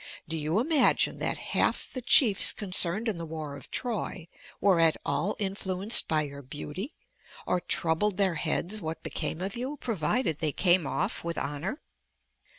Do you imagine that half the chiefs concerned in the war of Troy were at all influenced by your beauty, or troubled their heads what became of you, provided they came off with honor?